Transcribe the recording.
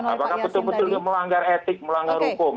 apakah betul betul melanggar etik melanggar hukum